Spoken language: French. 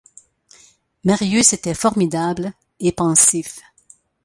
Marius était formidable et pensif.